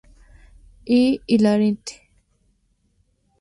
Y hilarante.